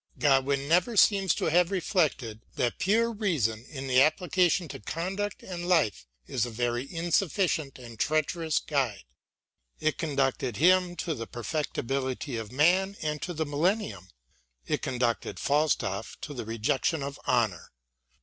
Godwin never seems to have reflected that pure reason in its application to conduct and life is a very insufficient and treacherous guide ; it conducted him to the perfectibility of man and to the millennium : it conducted Falstaff to the rejection of honour.